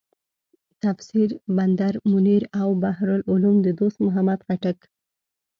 تفسیر بدرمنیر او بحر العلوم د دوست محمد خټک.